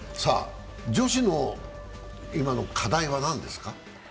女子の今の課題は何ですか？